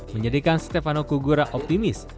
menjadikan stefano kugura optimis